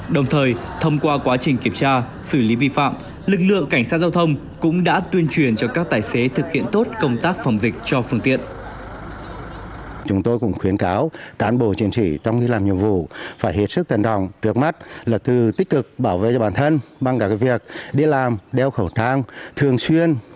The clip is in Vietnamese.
đồng thời thông qua quá trình kiểm tra xử lý vi phạm lực lượng cảnh sát giao thông cũng đã tuyên truyền cho các tài xế thực hiện tốt công tác phòng dịch cho phương tiện